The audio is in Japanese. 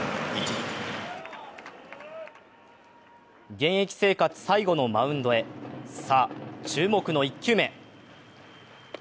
現役生活最後のマウンドへ、さあ注目の１球目。